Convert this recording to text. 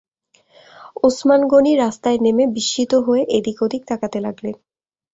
ওসমান গনি রাস্তায় নেমে বিস্মিত হয়ে এদিক-ওদিক তাকাতে লাগলেন!